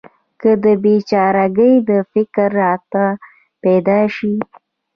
که د بې چاره ګۍ فکر راته پیدا شي.